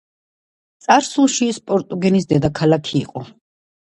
წარსულში ის პორტუგესის დედაქალაქი იყო.